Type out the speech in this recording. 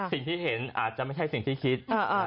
สิ่งที่เห็นอาจจะไม่ใช่สิ่งที่คิด